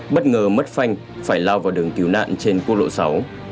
bất ngờ mất phanh phải lao vào đường cứu nạn trên quốc lộ sáu